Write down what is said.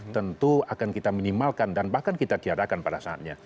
tentu akan kita minimalkan dan bahkan kita tiadakan pada saatnya